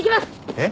えっ？